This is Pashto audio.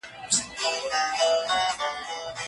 یوازې مرګ انسان له ټولو ناروغیو ژغوري.